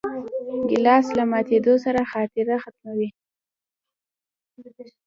ګیلاس له ماتېدو سره خاطره ختموي.